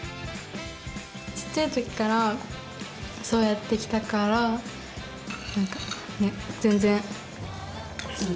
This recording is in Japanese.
ちっちゃいときからそうやってきたからなんかね全然普通です。